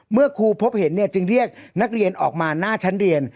เมื่อครูพบเห็นจึงเรียกนักเรียนออกมาหน้าชั้นเรียน